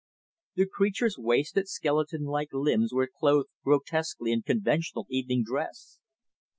The creature's wasted, skeleton like limbs, were clothed grotesquely in conventional evening dress.